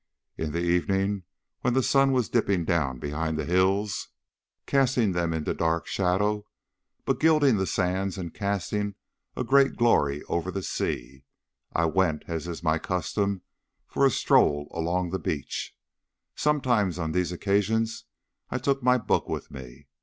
In the evening, when the sun was dipping down behind the hills, casting them into dark shadow, but gilding the sands and casting a great glory over the sea, I went, as is my custom, for a stroll along the beach. Sometimes on these occasions I took my book with me.